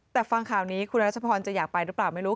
แต่ฟังข่าวนี้คุณรัชพรจะอยากไปหรือเปล่าไม่รู้